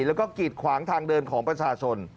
แล้วก็กีดขวางทางเดินของประชาชน